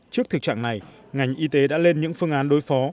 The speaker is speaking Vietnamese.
trước thực trạng này ngành y tế đã lên những phương án đối phó